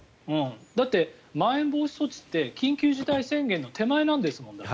だってまん延防止措置って緊急事態宣言の手前なんですもん。